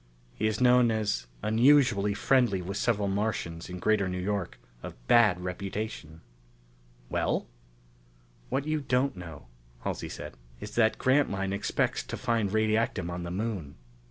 He is known as unusually friendly with several Martians in Greater New York of bad reputation." "Well?" "What you don't know," Halsey said, "is that Grantline expects to find radiactum on the Moon."